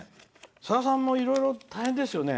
さださんも、いろいろ大変ですよね。